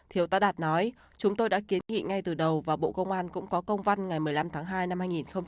thiếu tá đạt nói chúng tôi đã kiến nghị ngay từ đầu và bộ công an cũng có công văn ngày một mươi năm tháng hai năm hai nghìn hai mươi